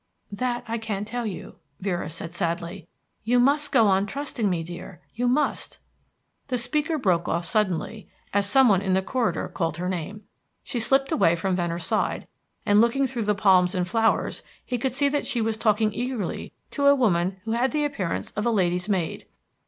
"That I cannot tell you," Vera said sadly. "You must go on trusting me, dear. You must " The speaker broke off suddenly, as someone in the corridor called her name. She slipped away from Venner's side, and, looking through the palms and flowers, he could see that she was talking eagerly to a woman who had the appearance of a lady's maid.